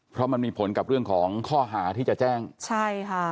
เพราะมันมีผลกับเรื่องของข้อหาที่จะแจ้งใช่ค่ะ